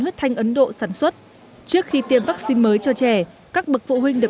huyết thanh ấn độ sản xuất trước khi tiêm vaccine mới cho trẻ các bậc phụ huynh được